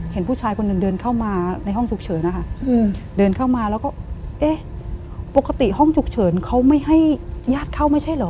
เห็นผู้ชายคนหนึ่งเดินเข้ามาในห้องฉุกเฉินนะคะเดินเข้ามาแล้วก็เอ๊ะปกติห้องฉุกเฉินเขาไม่ให้ญาติเข้าไม่ใช่เหรอ